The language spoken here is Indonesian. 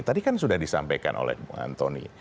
tadi kan sudah disampaikan oleh bu antoni